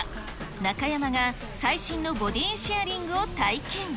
中山が最新のボディシェアリングを体験。